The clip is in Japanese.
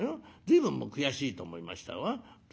随分悔しいと思いましたわ。